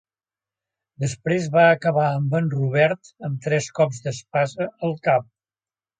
Després va acabar amb en Robert amb tres cops d'espasa al cap.